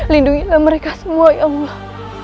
lindungilah mereka semua ya allah